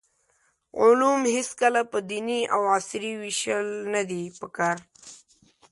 علوم هېڅکله په دیني او عصري ویشل ندي پکار.